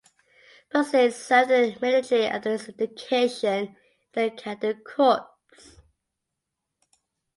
Busse served in the military after his education in the cadet corps.